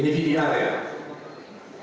jadi biar dari kita